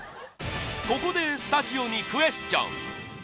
ここでスタジオにクエスチョン